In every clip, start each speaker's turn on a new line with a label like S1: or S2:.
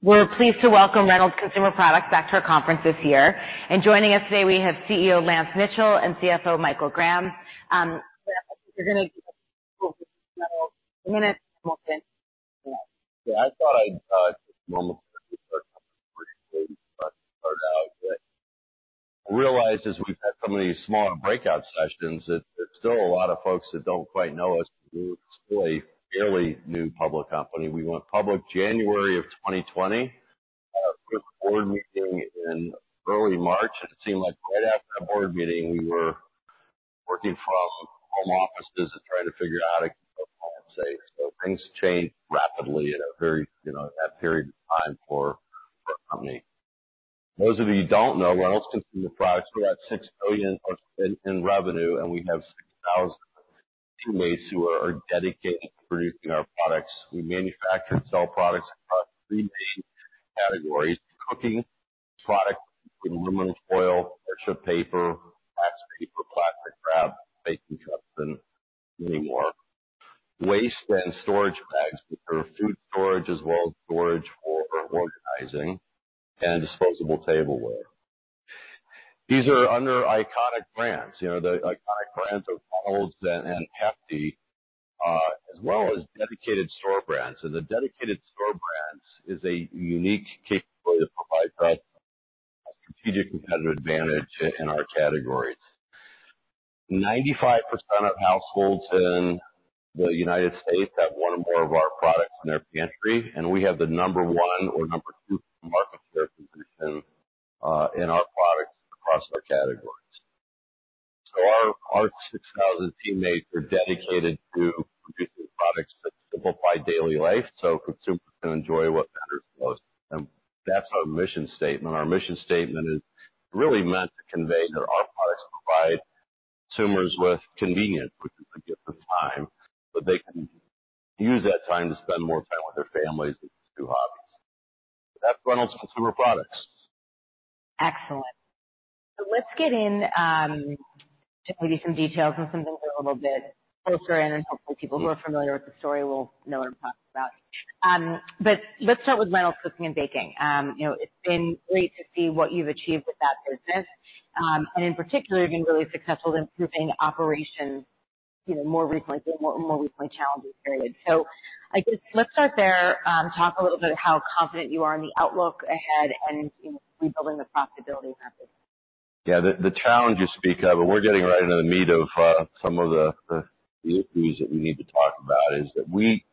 S1: We're pleased to welcome Reynolds Consumer Products back to our conference this year. Joining us today, we have CEO Lance Mitchell and CFO Michael Graham. We're gonna-
S2: Yeah, I thought I'd start out, but realized as we've had some of these smaller breakout sessions, that there's still a lot of folks that don't quite know us. We're still a fairly new public company. We went public January of 2020. With a board meeting in early March, and it seemed like right after that board meeting, we were working from our home offices to try to figure out how to stay safe. So things changed rapidly in a very, you know, that period of time for our company. Those of you who don't know, Reynolds Consumer Products, we're at $6 billion in revenue, and we have 6,000 teammates who are dedicated to producing our products. We manufacture and sell products across three main categories: cooking products, including aluminum foil, butcher paper, wax paper, plastic wrap, baking cups, and many more. Waste and storage bags for food storage as well as storage for organizing and disposable tableware. These are under iconic brands. You know, the iconic brands are Reynolds and Hefty, as well as dedicated store brands. And the dedicated store brands is a unique capability that provides us a strategic competitive advantage in our categories. 95% of households in the United States have one or more of our products in their pantry, and we have the number one or number two market share position in our products across our categories. So our, our 6,000 teammates are dedicated to producing products that simplify daily life, so consumers can enjoy what matters most. And that's our mission statement. Our mission statement is really meant to convey that our products provide consumers with convenience, which is a gift of time, so they can use that time to spend more time with their families and pursue hobbies. That's Reynolds Consumer Products.
S1: Excellent. So let's get in to maybe some details and some things a little bit closer in, and hopefully, people who are familiar with the story will know what I'm talking about. But let's start with Reynolds Cooking & Baking. You know, it's been great to see what you've achieved with that business. And in particular, you've been really successful in improving operations, you know, more recently, in more recently challenging periods. So I guess let's start there. Talk a little bit how confident you are in the outlook ahead and in rebuilding the profitability of that business.
S2: Yeah, the challenge you speak of, and we're getting right into the meat of some of the issues that we need to talk about, is that we...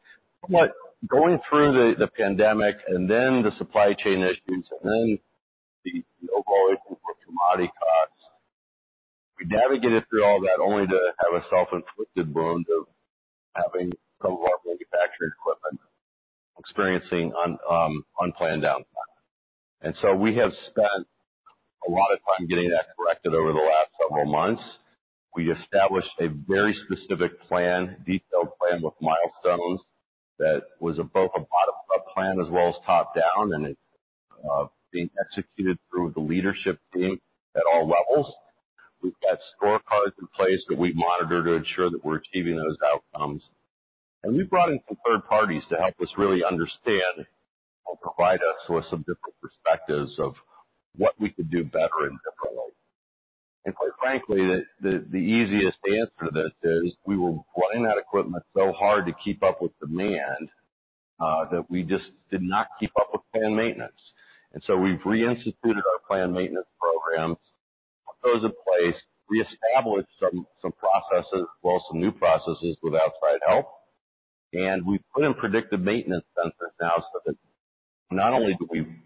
S2: Going through the pandemic and then the supply chain issues and then the overall issue of commodity costs, we navigated through all that only to have a self-inflicted wound of having some of our manufacturing equipment experiencing unplanned downtime. And so we have spent a lot of time getting that corrected over the last several months. We established a very specific plan, detailed plan with milestones that was both a bottom-up plan as well as top-down, and it's being executed through the leadership team at all levels. We've got scorecards in place that we monitor to ensure that we're achieving those outcomes. We've brought in some third parties to help us really understand or provide us with some different perspectives of what we could do better in different ways. And quite frankly, the easiest answer to this is we were running that equipment so hard to keep up with demand that we just did not keep up with planned maintenance. And so we've reinstituted our planned maintenance programs, put those in place, reestablished some processes, as well as some new processes with outside help. And we've put in predictive maintenance sensors now, so that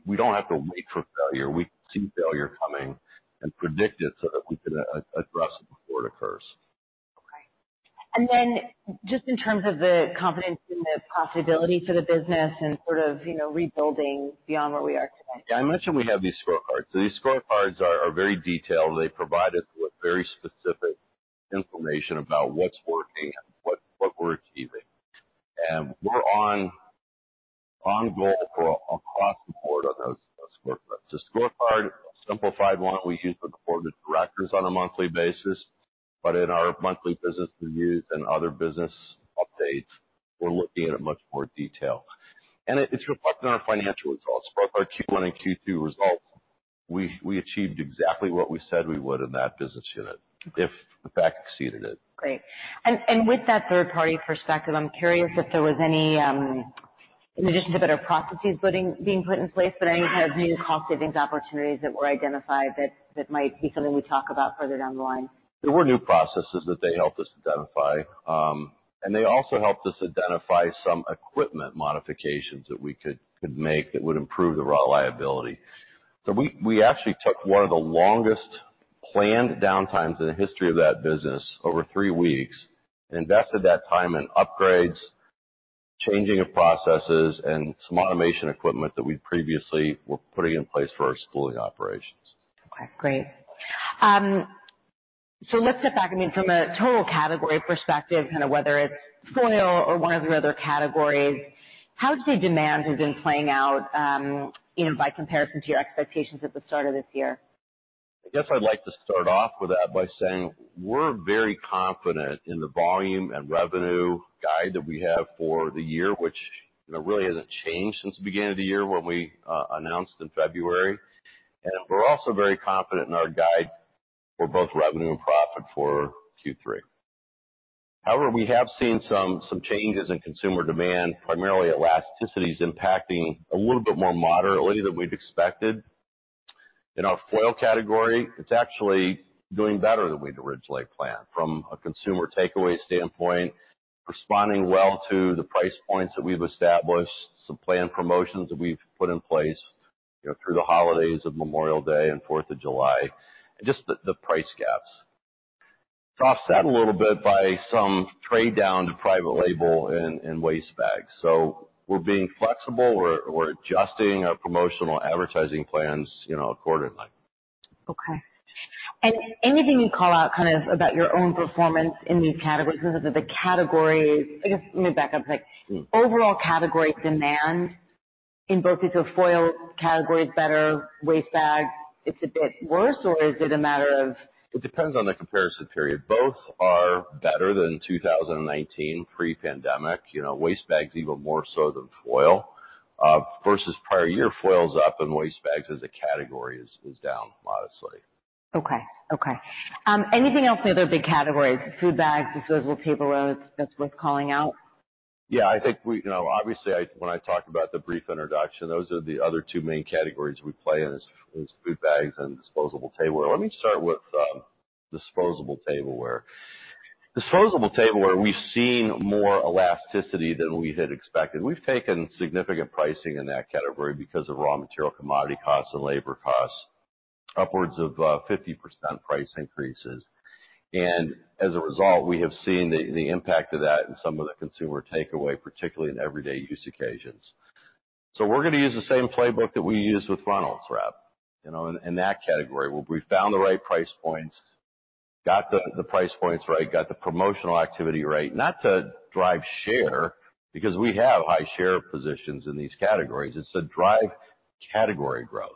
S2: we don't have to wait for failure, we can see failure coming and predict it so that we can address it before it occurs.
S1: Okay. And then just in terms of the confidence in the profitability for the business and sort of, you know, rebuilding beyond where we are today.
S2: Yeah, I mentioned we have these scorecards. So these scorecards are very detailed. They provide us with very specific information about what's working and what we're achieving. And we're on goal across the board on those scorecards. The scorecard, simplified one, we use for the board of directors on a monthly basis, but in our monthly business reviews and other business updates, we're looking at it in much more detail. And it's reflected in our financial results. For our Q1 and Q2 results, we achieved exactly what we said we would in that business unit. In fact, exceeded it.
S1: Great. And with that third party perspective, I'm curious if there was any, in addition to better processes being put in place, but any kind of new cost savings opportunities that were identified, that might be something we talk about further down the line?
S2: There were new processes that they helped us identify. They also helped us identify some equipment modifications that we could make that would improve the reliability. We actually took one of the longest planned downtimes in the history of that business, over three weeks, invested that time in upgrades, changing of processes, and some automation equipment that we previously were putting in place for our spooling operations.
S1: Okay, great. So let's step back. I mean, from a total category perspective, kind of whether it's foil or one of your other categories, how has the demand been playing out, you know, by comparison to your expectations at the start of this year?
S2: I guess I'd like to start off with that by saying we're very confident in the volume and revenue guide that we have for the year, which, you know, really hasn't changed since the beginning of the year when we announced in February. We're also very confident in our guide for both revenue and profit for Q3. However, we have seen some changes in consumer demand, primarily elasticities impacting a little bit more moderately than we'd expected. In our foil category, it's actually doing better than we'd originally planned from a consumer takeaway standpoint, responding well to the price points that we've established, some planned promotions that we've put in place, you know, through the holidays of Memorial Day and Fourth of July, and just the price gaps. Offset a little bit by some trade down to private label and waste bags. We're being flexible. We're adjusting our promotional advertising plans, you know, accordingly.
S1: Okay. Anything you'd call out kind of about your own performance in these categories? In terms of the categories, I guess, let me back up, like, overall category demand in both these foil categories, Hefty waste bags, it's a bit worse, or is it a matter of?
S2: It depends on the comparison period. Both are better than 2019, pre-pandemic. You know, waste bags, even more so than foil. Versus prior year, foil's up and waste bags as a category is down modestly.
S1: Okay. Okay. Anything else in the other big categories, food bags, disposable tableware, that's worth calling out?
S2: Yeah, I think we... You know, obviously, I, when I talked about the brief introduction, those are the other two main categories we play in, is food bags and disposable tableware. Let me start with disposable tableware. Disposable tableware, we've seen more elasticity than we had expected. We've taken significant pricing in that category because of raw material, commodity costs and labor costs, upwards of 50% price increases. And as a result, we have seen the impact of that in some of the consumer takeaway, particularly in everyday use occasions. So we're gonna use the same playbook that we used with Reynolds Wrap. You know, in that category, where we found the right price points, got the price points right, got the promotional activity right. Not to drive share, because we have high share positions in these categories. It's to drive category growth.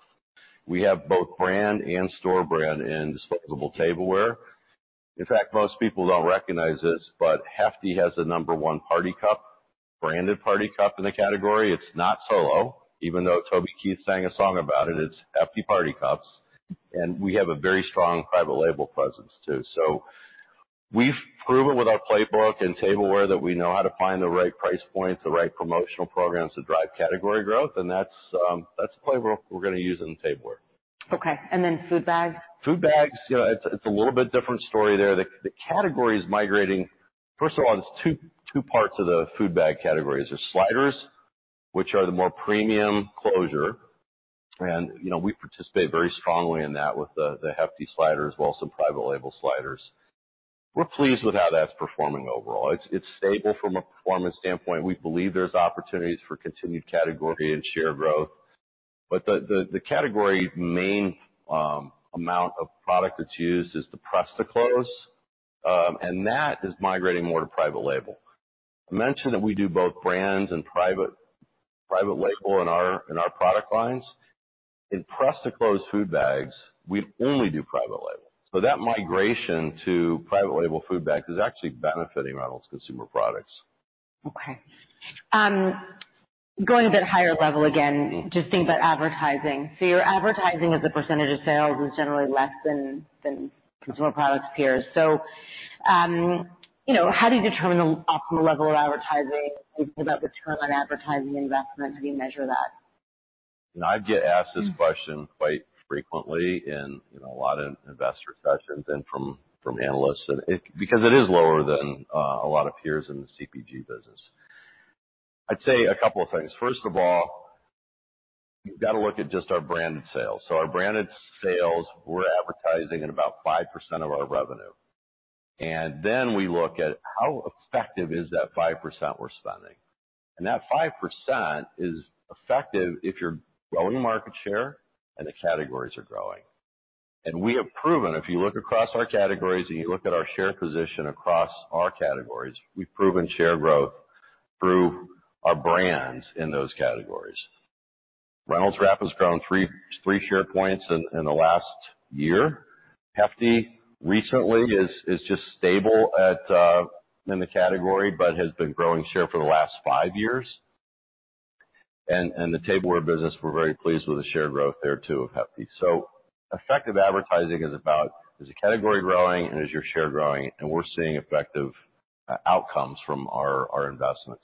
S2: We have both brand and store brand in disposable tableware. In fact, most people don't recognize this, but Hefty has the number one Party Cup, branded Party Cup in the category. It's not Solo, even though Toby Keith sang a song about it. It's Hefty Party Cups, and we have a very strong private label presence, too. So we've proven with our playbook in tableware, that we know how to find the right price points, the right promotional programs to drive category growth, and that's the playbook we're gonna use in the tableware.
S1: Okay, and then food bags?
S2: Food bags, you know, it's a little bit different story there. The category is migrating. First of all, there's two parts of the food bag category. There's sliders, which are the more premium closure, and, you know, we participate very strongly in that with the Hefty Sliders, while some private label sliders. We're pleased with how that's performing overall. It's stable from a performance standpoint. We believe there's opportunities for continued category and share growth. But the category main amount of product that's used is the Press to Close, and that is migrating more to private label. I mentioned that we do both brands and private label in our product lines. In Press to Close food bags, we only do private label. So that migration to private label food bags is actually benefiting Reynolds Consumer Products.
S1: Okay. Going a bit higher level again, just think about advertising. So your advertising as a percentage of sales is generally less than consumer products peers. So, you know, how do you determine the optimal level of advertising for that return on advertising investment? How do you measure that?
S2: You know, I get asked this question quite frequently in a lot of investor sessions and from analysts, and it... because it is lower than a lot of peers in the CPG business. I'd say a couple of things. First of all, you've got to look at just our branded sales. So our branded sales, we're advertising at about 5% of our revenue. And then we look at how effective is that 5% we're spending. And that 5% is effective if you're growing market share and the categories are growing. And we have proven, if you look across our categories and you look at our share position across our categories, we've proven share growth through our brands in those categories. Reynolds Wrap has grown three share points in the last year. Hefty recently is just stable in the category, but has been growing share for the last five years. And the tableware business, we're very pleased with the share growth there, too, of Hefty. So effective advertising is about the category growing and is your share growing? And we're seeing effective outcomes from our investments.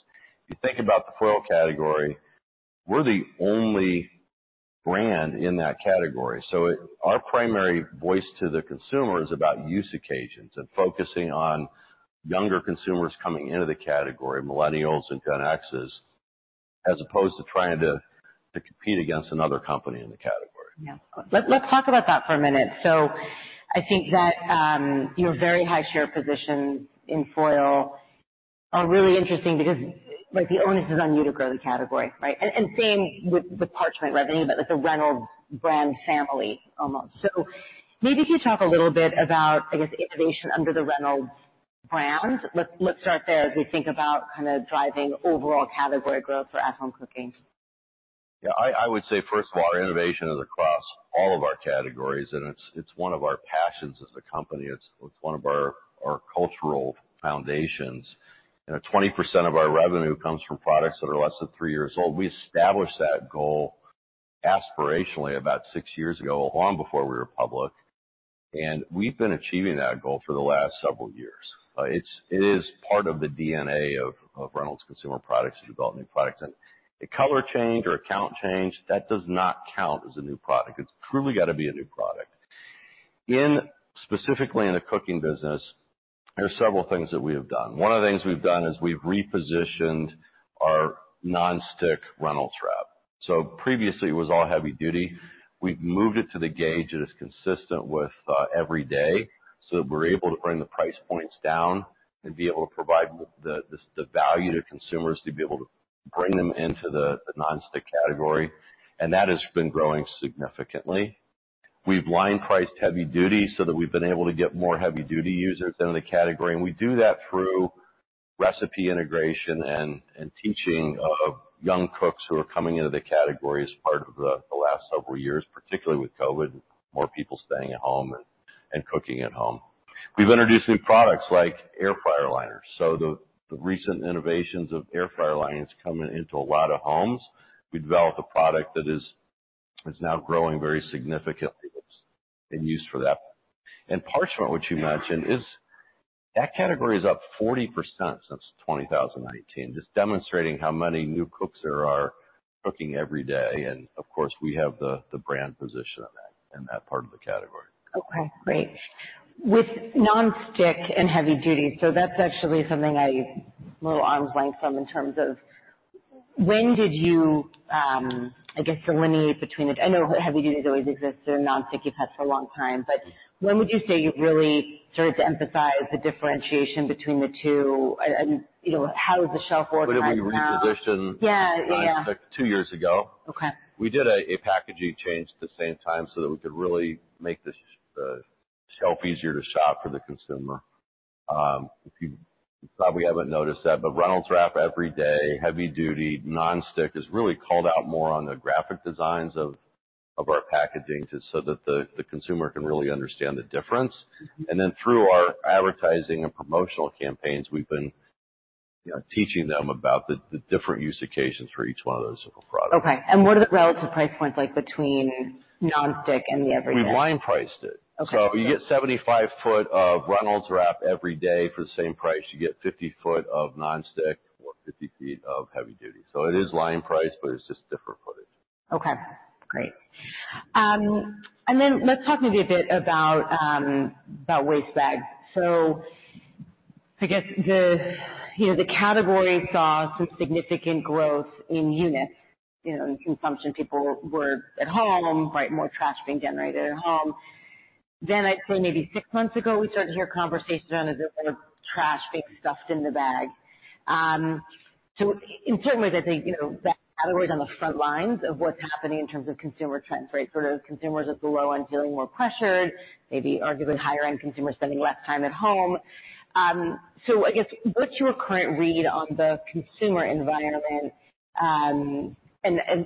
S2: If you think about the foil category, we're the only brand in that category. So our primary voice to the consumer is about use occasions and focusing on younger consumers coming into the category, Millennials and Gen Xers, as opposed to trying to compete against another company in the category.
S1: Yeah. Let's talk about that for a minute. So I think that your very high share position in foil is really interesting because, like, the onus is on you to grow the category, right? And same with parchment revenue, but with the Reynolds brand family, almost. So maybe can you talk a little bit about, I guess, innovation under the Reynolds brand? Let's start there as we think about kinda driving overall category growth for at-home cooking.
S2: Yeah, I would say, first of all, innovation is across all of our categories, and it's one of our passions as a company. It's one of our cultural foundations, and 20% of our revenue comes from products that are less than three years old. We established that goal aspirationally about six years ago, long before we were public, and we've been achieving that goal for the last several years. It is part of the DNA of Reynolds Consumer Products to develop new products. A color change or a count change, that does not count as a new product. It's truly got to be a new product. Specifically, in the cooking business, there are several things that we have done. One of the things we've done is we've repositioned our Non-Stick Reynolds Wrap. Previously, it was all Heavy Duty. We've moved it to the gauge that is consistent with everyday, so we're able to bring the price points down and be able to provide the value to consumers to be able to bring them into the Non-Stick category. And that has been growing significantly. We've line priced Heavy Duty so that we've been able to get more Heavy Duty users into the category, and we do that through recipe integration and teaching of young cooks who are coming into the category as part of the last several years, particularly with COVID, more people staying at home and cooking at home. We've introduced new products like Air Fryer Liners. So the recent innovations of air fryer lining is coming into a lot of homes. We developed a product that is now growing very significantly and used for that. And parchment, which you mentioned, is... That category is up 40% since 2018, just demonstrating how many new cooks there are cooking every day. And of course, we have the, the brand position in that, in that part of the category.
S1: Okay, great. With Non-Stick and Heavy Duty, so that's actually something I'm a little arm's length from in terms of when did you, I guess, delineate between the two. I know Heavy Duty has always existed, and Non-Stick has had for a long time, but when would you say you really started to emphasize the differentiation between the two? And, you know, how is the shelf organized now?
S2: We repositioned-
S1: Yeah, yeah.
S2: - Non-Stick two years ago.
S1: Okay.
S2: We did a packaging change at the same time so that we could really make the shelf easier to shop for the consumer. If you probably haven't noticed that, but Reynolds Wrap Everyday, Heavy Duty, Non-Stick, is really called out more on the graphic designs of our packaging, just so that the consumer can really understand the difference. And then through our advertising and promotional campaigns, we've been, you know, teaching them about the different use occasions for each one of those products.
S1: Okay. What are the relative price points like between Non-Stick and Everyday?
S2: We line priced it.
S1: Okay.
S2: You get 75 ft of Reynolds Wrap Everyday for the same price, you get 50 ft of Non-Stick or 50 ft of Heavy Duty. So it is line priced, but it's just different footage.
S1: Okay, great. And then let's talk maybe a bit about waste bags. So I guess the, you know, the category saw some significant growth in units, you know, in consumption. People were at home, right? More trash being generated at home. Then I'd say maybe six months ago, we started to hear conversations around the sort of trash being stuffed in the bag. So in some ways, I think, you know, that category is on the front lines of what's happening in terms of consumer trends, right? Sort of consumers at the low end, feeling more pressured, maybe arguably higher-end consumers spending less time at home. So I guess, what's your current read on the consumer environment? And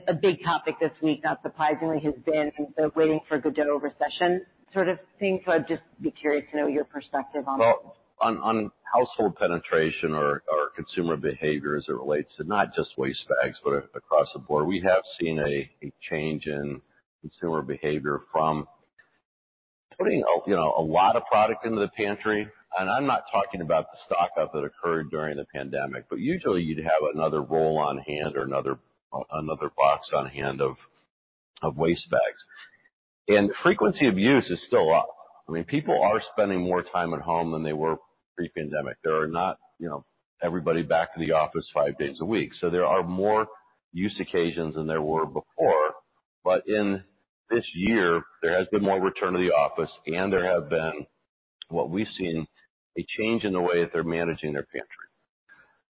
S1: a big topic this week, not surprisingly, has been the waiting for the Godot recession sort of thing. I'd just be curious to know your perspective on that.
S2: Well, on household penetration or consumer behavior, as it relates to not just waste bags, but across the board, we have seen a change in consumer behavior from putting, you know, a lot of product into the pantry. And I'm not talking about the stock up that occurred during the pandemic, but usually you'd have another roll on hand or another box on hand of waste bags. And frequency of use is still up. I mean, people are spending more time at home than they were pre-pandemic. There are not, you know, everybody back in the office five days a week, so there are more use occasions than there were before. But in this year, there has been more return to the office, and there have been, what we've seen, a change in the way that they're managing their pantry.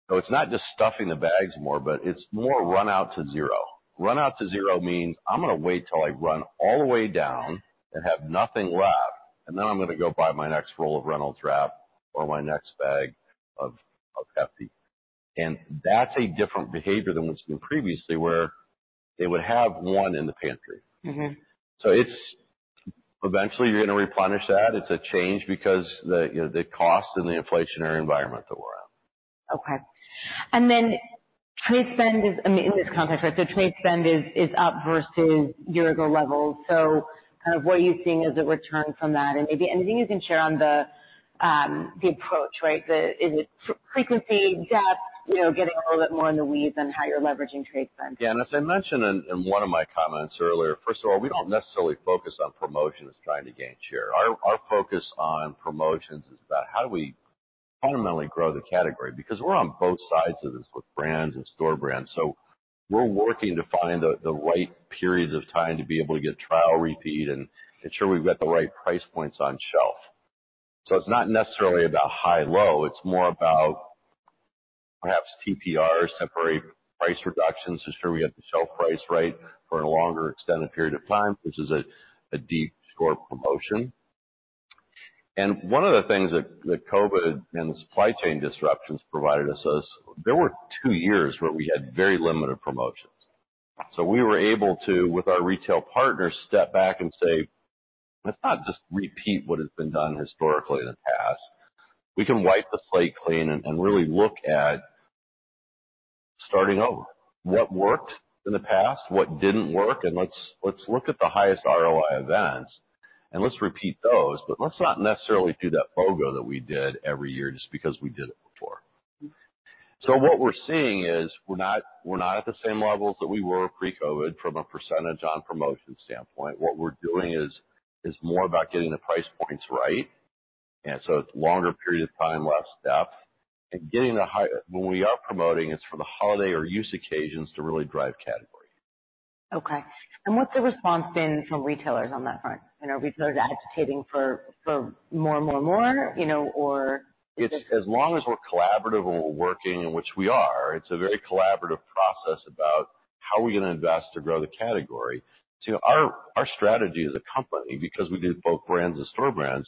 S2: So it's not just stuffing the bags more, but it's more run out to zero. Run out to zero means I'm gonna wait till I run all the way down and have nothing left, and then I'm gonna go buy my next roll of Reynolds Wrap or my next bag of, of Hefty. And that's a different behavior than what's been previously where they would have one in the pantry.
S1: Mm-hmm.
S2: So it's... Eventually, you're gonna replenish that. It's a change because the, you know, the cost and the inflationary environment that we're in.
S1: Okay. And then trade spend is, I mean, in this context, right, so trade spend is up versus year-ago levels. So kind of what are you seeing as it returns from that? And maybe anything you can share on the, the approach, right? Is it frequency, depth, you know, getting a little bit more in the weeds on how you're leveraging trade spend.
S2: Yeah, and as I mentioned in one of my comments earlier, first of all, we don't necessarily focus on promotions trying to gain share. Our focus on promotions is about how do we fundamentally grow the category? Because we're on both sides of this with brands and store brands, so we're working to find the right periods of time to be able to get trial, repeat, and ensure we've got the right price points on shelf. So it's not necessarily about high-low, it's more about perhaps TPRs, temporary price reductions, to ensure we have the shelf price right for a longer extended period of time, which is a deep store promotion. And one of the things that COVID and the supply chain disruptions provided us is, there were two years where we had very limited promotions. So we were able to, with our retail partners, step back and say: "Let's not just repeat what has been done historically in the past. We can wipe the slate clean and, and really look at starting over. What worked in the past, what didn't work, and let's, let's look at the highest ROI events, and let's repeat those. But let's not necessarily do that BOGO that we did every year just because we did it before." So what we're seeing is, we're not, we're not at the same levels that we were pre-COVID from a percentage on promotion standpoint. What we're doing is, is more about getting the price points right, and so it's longer period of time, less depth, and getting the high... When we are promoting, it's for the holiday or use occasions to really drive category.
S1: Okay. What's the response been from retailers on that front? Are retailers agitating for, for more, more, more, you know, or?
S2: It's as long as we're collaborative and we're working, which we are. It's a very collaborative process about how are we going to invest to grow the category? So our, our strategy as a company, because we do both brands and store brands,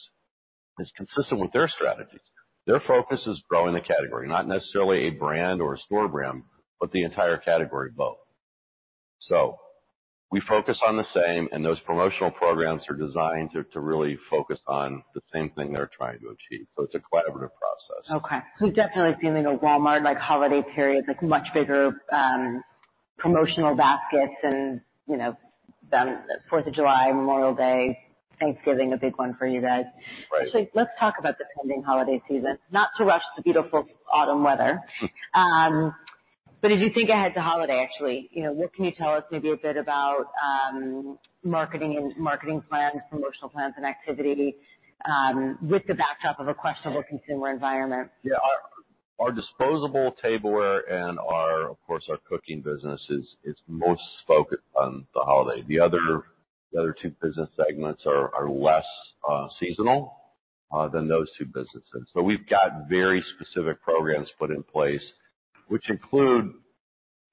S2: is consistent with their strategies. Their focus is growing the category, not necessarily a brand or a store brand, but the entire category both. So we focus on the same, and those promotional programs are designed to, to really focus on the same thing they're trying to achieve. So it's a collaborative process.
S1: Okay. We've definitely seen in a Walmart, like, holiday period, like, much bigger promotional baskets and, you know, Fourth of July, Memorial Day, Thanksgiving, a big one for you guys.
S2: Right.
S1: So let's talk about the pending holiday season. Not to rush the beautiful autumn weather. But as you think ahead to holiday, actually, you know, what can you tell us maybe a bit about, marketing and marketing plans, promotional plans and activity, with the backdrop of a questionable consumer environment?
S2: Yeah. Our disposable tableware and our, of course, our cooking business is most focused on the holiday. The other two business segments are less seasonal than those two businesses. So we've got very specific programs put in place, which include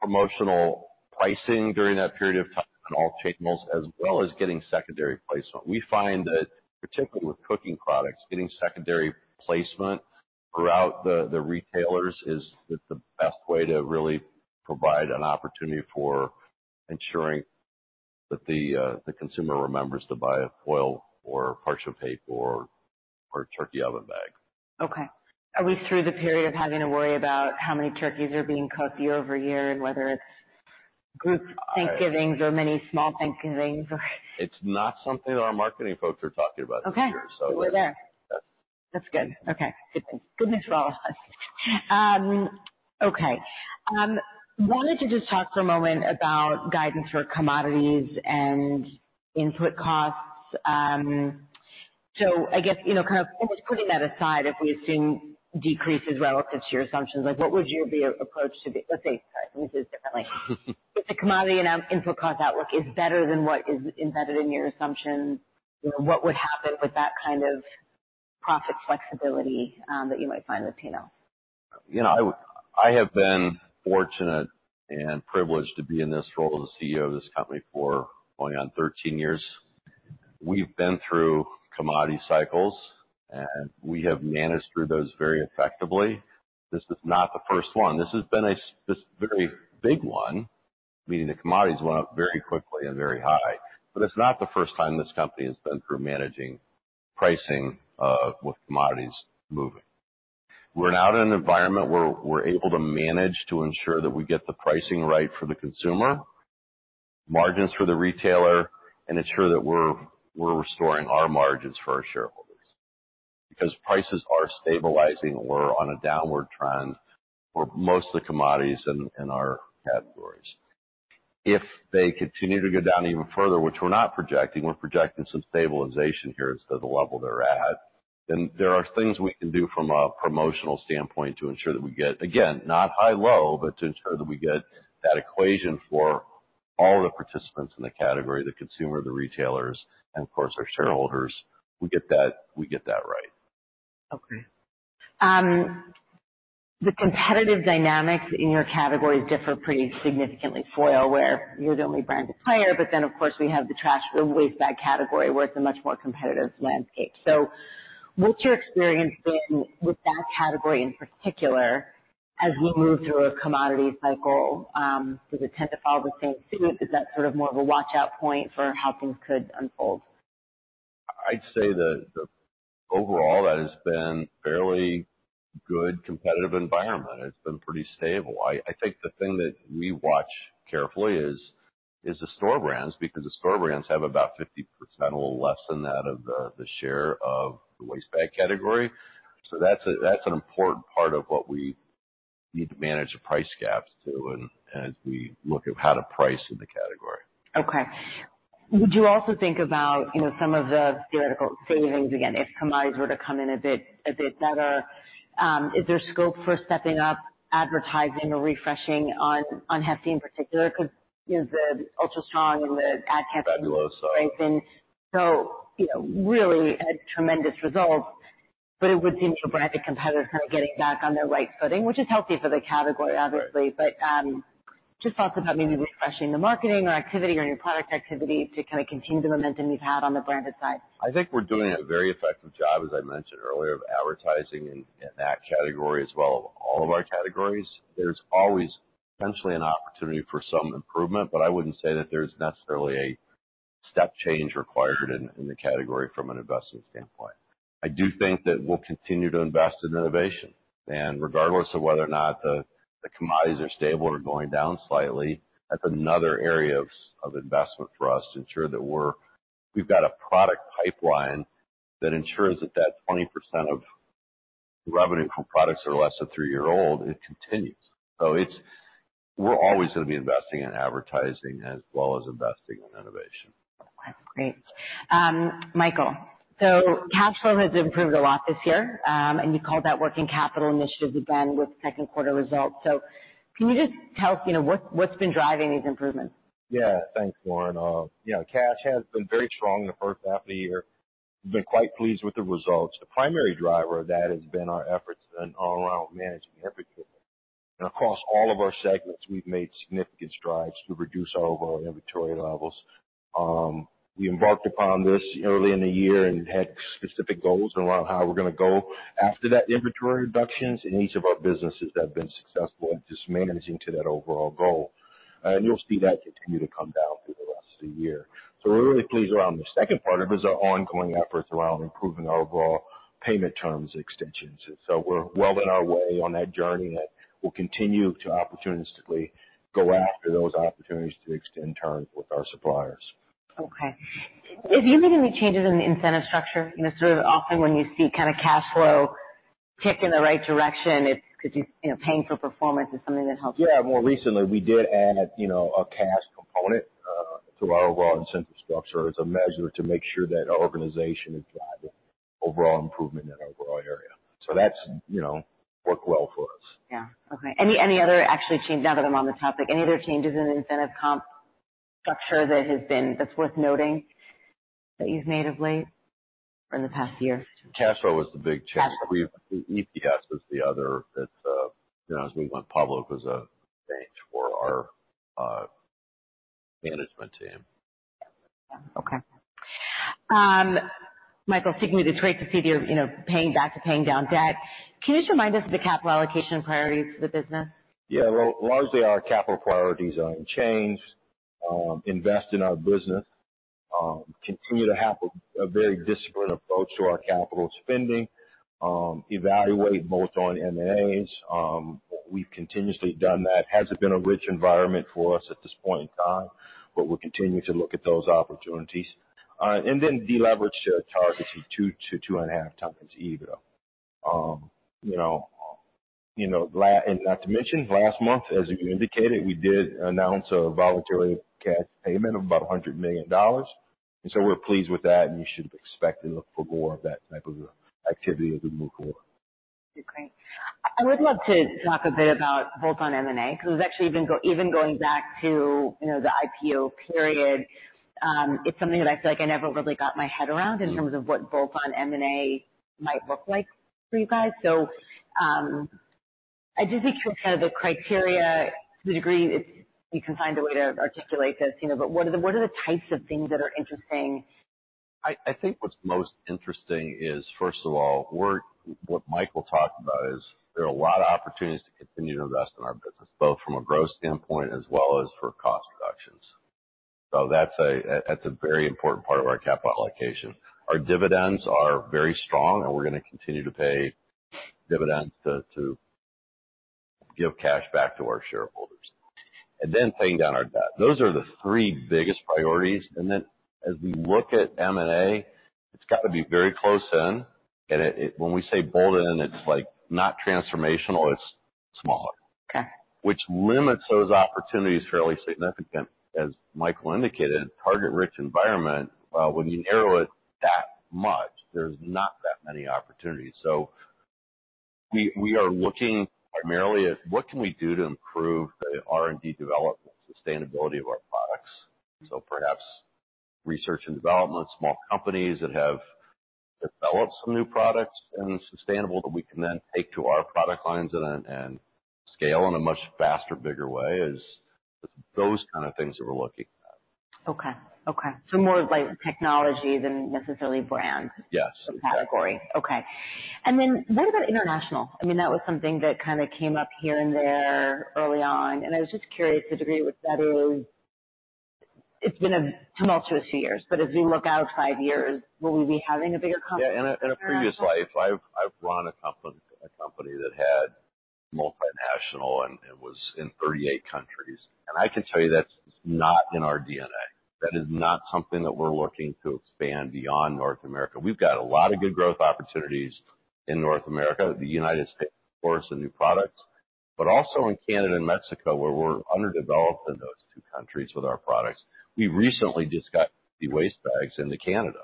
S2: promotional pricing during that period of time on all channels, as well as getting secondary placement. We find that, particularly with cooking products, getting secondary placement throughout the retailers is the best way to really provide an opportunity for ensuring that the consumer remembers to buy a foil or parchment paper or a Turkey Oven Bag.
S1: Okay. Are we through the period of having to worry about how many turkeys are being cooked year-over-year, and whether it's group Thanksgivings or many small Thanksgivings?
S2: It's not something that our marketing folks are talking about this year, so-
S1: Okay. We're there.
S2: Yes.
S1: That's good. Okay, good. Good news for all of us. Wanted to just talk for a moment about guidance for commodities and input costs. So I guess, you know, kind of almost putting that aside, if we've seen decreases relative to your assumptions, like, what would your approach to the... Let's say, sorry, let me say it differently. If the commodity and input cost outlook is better than what is embedded in your assumptions, you know, what would happen with that kind of profit flexibility, that you might find with P&L?
S2: You know, I, I have been fortunate and privileged to be in this role as a CEO of this company for going on 13 years. We've been through commodity cycles, and we have managed through those very effectively. This is not the first one. This has been this very big one, meaning the commodities went up very quickly and very high. But it's not the first time this company has been through managing pricing with commodities moving. We're now in an environment where we're able to manage to ensure that we get the pricing right for the consumer, margins for the retailer, and ensure that we're, we're restoring our margins for our shareholders. Because prices are stabilizing, we're on a downward trend for most of the commodities in, in our categories. If they continue to go down even further, which we're not projecting, we're projecting some stabilization here as to the level they're at, then there are things we can do from a promotional standpoint to ensure that we get, again, not high-low, but to ensure that we get that equation for all the participants in the category, the consumer, the retailers, and of course, our shareholders. We get that, we get that right.
S1: Okay. The competitive dynamics in your categories differ pretty significantly. Foil, where you're the only brand to play in, but then, of course, we have the trash or waste bag category, where it's a much more competitive landscape. So what's your experience been with that category, in particular, as we move through a commodity cycle? Does it tend to follow the same suit? Is that sort of more of a watch-out point for how things could unfold?
S2: I'd say that the overall, that has been fairly good competitive environment. It's been pretty stable. I think the thing that we watch carefully is the store brands, because the store brands have about 50% or less than that of the share of the waste bag category. So that's an important part of what we need to manage the price gaps, too, and as we look at how to price in the category.
S1: Okay. Would you also think about, you know, some of the theoretical savings, again, if commodities were to come in a bit, a bit better? Is there scope for stepping up advertising or refreshing on, on Hefty in particular? Because, you know, the Ultra Strong and the ad campaign-
S2: Fabulous.
S1: So, you know, really a tremendous result... but it would seem your branded competitors kind of getting back on their right footing, which is healthy for the category, obviously.
S2: Right.
S1: Just thoughts about maybe refreshing the marketing or activity or any product activity to kind of continue the momentum you've had on the branded side?
S2: I think we're doing a very effective job, as I mentioned earlier, of advertising in, in that category as well, all of our categories. There's always potentially an opportunity for some improvement, but I wouldn't say that there's necessarily a step change required in, in the category from an investing standpoint. I do think that we'll continue to invest in innovation, and regardless of whether or not the, the commodities are stable or going down slightly, that's another area of, of investment for us to ensure that we're- we've got a product pipeline that ensures that that 20% of revenue from products are less than three-year-old, it continues. So it's-- we're always going to be investing in advertising as well as investing in innovation.
S1: Okay, great. Michael, so cash flow has improved a lot this year, and you called that working capital initiatives again with second quarter results. Can you just tell us, you know, what, what's been driving these improvements?
S3: Yeah. Thanks, Lauren. You know, cash has been very strong in the first half of the year. We've been quite pleased with the results. The primary driver of that has been our efforts in all around managing inventory. Across all of our segments, we've made significant strides to reduce our overall inventory levels. We embarked upon this early in the year and had specific goals around how we're going to go after that inventory reductions in each of our businesses that have been successful in just managing to that overall goal. You'll see that continue to come down through the rest of the year. So we're really pleased. Around the second part of it is our ongoing efforts around improving our overall payment terms extensions. We're well on our way on that journey, and we'll continue to opportunistically go after those opportunities to extend terms with our suppliers.
S1: Okay. Have you made any changes in the incentive structure? You know, sort of often when you see kind of cash flow tick in the right direction, it's because, you know, paying for performance is something that helps.
S3: Yeah, more recently, we did add a, you know, a cash component to our overall incentive structure as a measure to make sure that our organization is driving overall improvement in that overall area. So that's, you know, worked well for us.
S1: Yeah. Okay. Now that I'm on the topic, any other changes in the incentive comp structure that has been, that's worth noting, that you've made of late or in the past year?
S3: Cash flow was the big change. EPS was the other that, you know, as we went public, was a change for our management team.
S1: Okay. Michael, sticking with the thread to the CFO, you know, paying back to paying down debt, can you just remind us of the capital allocation priorities for the business?
S3: Yeah. Well, largely our capital priorities aren't changed. Invest in our business, continue to have a very disciplined approach to our capital spending. Evaluate bolt-on M&As. We've continuously done that. Hasn't been a rich environment for us at this point in time, but we're continuing to look at those opportunities. And then deleverage to a target 2-2.5x EBITDA. You know, you know, and not to mention, last month, as you indicated, we did announce a voluntary cash payment of about $100 million. And so we're pleased with that, and you should expect to look for more of that type of activity as we move forward.
S1: Great. I would love to talk a bit about bolt-on M&A, because it's actually even going back to, you know, the IPO period. It's something that I feel like I never really got my head around in terms of what bolt-on M&A might look like for you guys. So, I just think kind of the criteria, to the degree it's, you can find a way to articulate this, you know, but what are the, what are the types of things that are interesting?
S2: I think what's most interesting is, first of all, we're, what Michael talked about is there are a lot of opportunities to continue to invest in our business, both from a growth standpoint as well as for cost reductions. So that's a very important part of our capital allocation. Our dividends are very strong, and we're going to continue to pay dividends to give cash back to our shareholders. And then paying down our debt. Those are the three biggest priorities. And then as we look at M&A, it's got to be very close in, and it, it, when we say bolt-on, it's like, not transformational, it's smaller.
S1: Okay.
S2: Which limits those opportunities fairly significant. As Michael indicated, target-rich environment, when you narrow it that much, there's not that many opportunities. So we, we are looking primarily at what can we do to improve the R&D development, sustainability of our products. So perhaps research and development, small companies that have developed some new products and sustainable, that we can then take to our product lines and, and scale in a much faster, bigger way, is those kind of things that we're looking at.
S1: Okay. Okay. So more like technology than necessarily brands-
S2: Yes.
S1: -category. Okay. And then what about international? I mean, that was something that kind of came up here and there early on, and I was just curious to the degree which that is... It's been a tumultuous few years, but as we look out five years, will we be having a bigger company?
S2: Yeah. In a previous life, I've run a company that had multinational and it was in 38 countries. And I can tell you that's not in our DNA. That is not something that we're looking to expand beyond North America. We've got a lot of good growth opportunities in North America, the United States, of course, some new products, but also in Canada and Mexico, where we're underdeveloped in those two countries with our products. We recently just got the waste bags into Canada.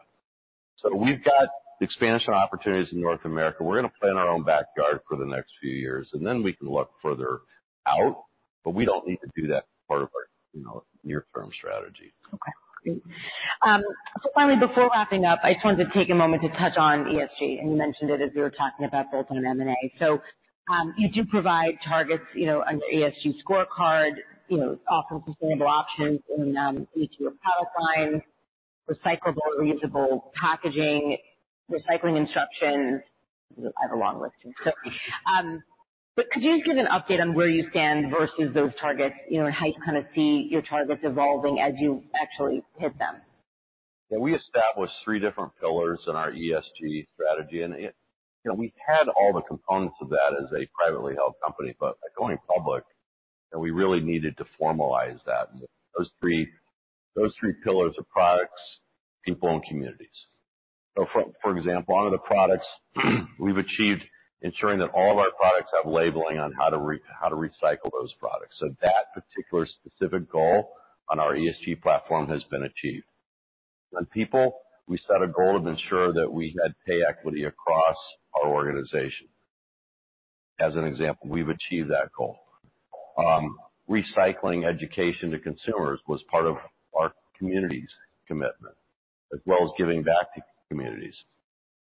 S2: So we've got expansion opportunities in North America. We're going to plan our own backyard for the next few years, and then we can look further out... But we don't need to do that part of our, you know, near-term strategy.
S1: Okay, great. So finally, before wrapping up, I just wanted to take a moment to touch on ESG, and you mentioned it as we were talking about bolt-on M&A. So, you do provide targets, you know, under ESG scorecard, you know, offer sustainable options in each of your product lines, recyclable, reusable packaging, recycling instructions. I have a long list here, so, but could you just give an update on where you stand versus those targets? You know, and how you kind of see your targets evolving as you actually hit them.
S2: Yeah, we established three different pillars in our ESG strategy, you know, we had all the components of that as a privately held company, but by going public, we really needed to formalize that. Those three pillars are products, people, and communities. So for example, on the products, we've achieved ensuring that all of our products have labeling on how to recycle those products. So that particular specific goal on our ESG platform has been achieved. On people, we set a goal to ensure that we had pay equity across our organization. As an example, we've achieved that goal. Recycling education to consumers was part of our community's commitment, as well as giving back to communities.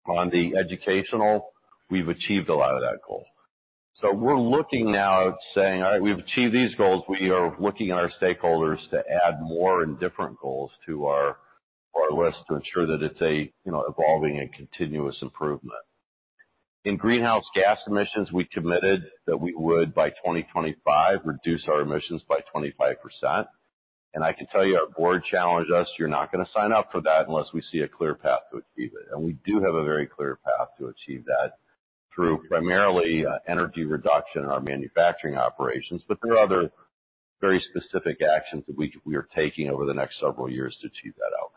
S2: On the educational, we've achieved a lot of that goal. So we're looking now at saying: All right, we've achieved these goals. We are looking at our stakeholders to add more and different goals to our list, to ensure that it's a, you know, evolving and continuous improvement. In greenhouse gas emissions, we committed that we would, by 2025, reduce our emissions by 25%. And I can tell you, our board challenged us: "You're not gonna sign up for that unless we see a clear path to achieve it." And we do have a very clear path to achieve that through primarily, energy reduction in our manufacturing operations, but through other very specific actions that we are taking over the next several years to achieve that outcome.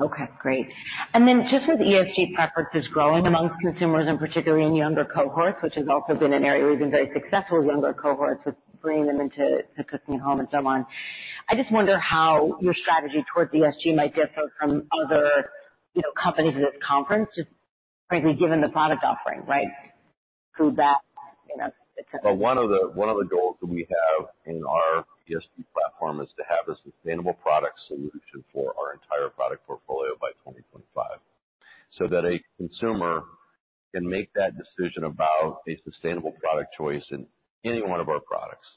S1: Okay, great. And then just as ESG preference is growing among consumers, and particularly in younger cohorts, which has also been an area we've been very successful, younger cohorts, with bringing them into, to cooking at home and so on. I just wonder how your strategy towards ESG might differ from other, you know, companies in this conference, just frankly, given the product offering, right? Food that, you know, -
S2: Well, one of the goals that we have in our ESG platform is to have a sustainable product solution for our entire product portfolio by 2025, so that a consumer can make that decision about a sustainable product choice in any one of our products.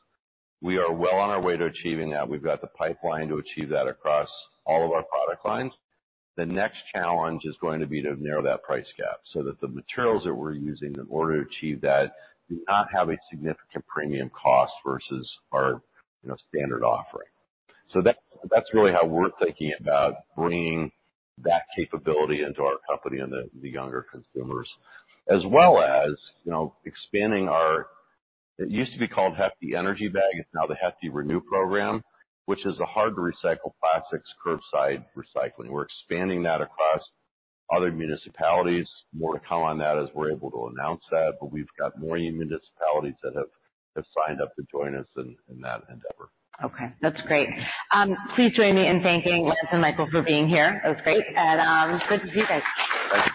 S2: We are well on our way to achieving that. We've got the pipeline to achieve that across all of our product lines. The next challenge is going to be to narrow that price gap so that the materials that we're using in order to achieve that do not have a significant premium cost versus our, you know, standard offering. So that, that's really how we're thinking about bringing that capability into our company and the, the younger consumers, as well as, you know, expanding our... It used to be called Hefty EnergyBag. It's now the Hefty ReNew Program, which is a hard-to-recycle plastics curbside recycling. We're expanding that across other municipalities. More to come on that as we're able to announce that, but we've got more municipalities that have signed up to join us in that endeavor.
S1: Okay, that's great. Please join me in thanking Lance and Michael for being here. It was great and good to see you guys.